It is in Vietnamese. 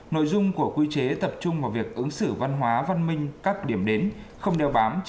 nội dung của quy chế tập trung vào việc ứng xử văn hóa văn minh các điểm đến không đeo bám